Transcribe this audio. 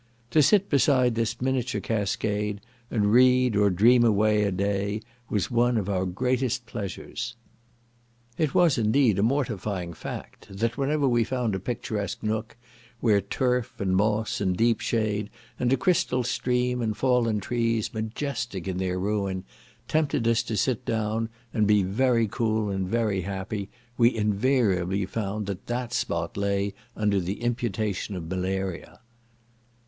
To sit beside this miniature cascade, and read, or dream away a day, was one of our greatest pleasures. It was indeed a mortifying fact, that whenever we found out a picturesque nook, where turf, and moss, and deep shade, and a crystal stream, and fallen trees, majestic in their ruin, tempted us to sit down, and be very cool and very happy, we invariably found that that spot lay under the imputation of malaria.